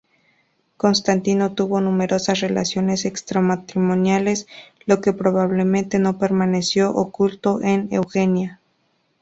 Constantino tuvo numerosas relaciones extramatrimoniales, lo que probablemente no permaneció oculto a Eugenia.